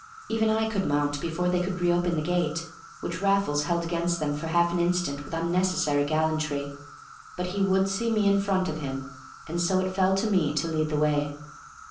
Even I could mount before they could reopen the gate, which Raffles held against them for half an instant with unnecessary gallantry. But he would see me in front of him, and so it fell to me to lead the way.